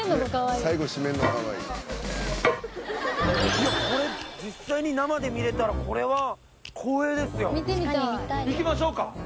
いやこれ実際に生で見れたらこれは光栄ですよ。行きましょうか。